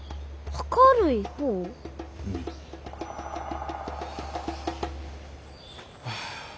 うん。はあ。